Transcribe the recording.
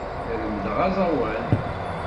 La lemmdeɣ aẓawan.